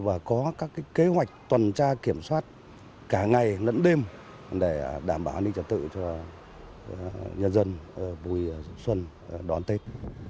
và có các kế hoạch tuần tra kiểm soát cả ngày lẫn đêm để đảm bảo những trật tự cho nhân dân buổi xuân đón tết